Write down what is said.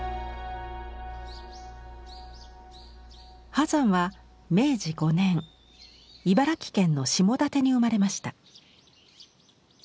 波山は明治５年茨城県の下館に生まれました。